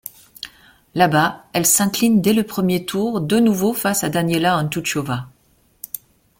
Là-bas, elle s'incline dès le premier tour de nouveau face à Daniela Hantuchová.